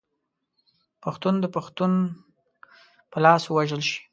پښتون د پښتون په لاس ووژل شي.